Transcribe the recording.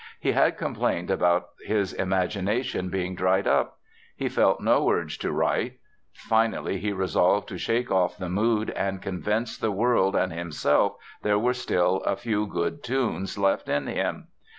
He had complained about his imagination being "dried up." He felt no urge to write. Finally he resolved to shake off the mood and convince the world and himself there were still a few good tunes in him.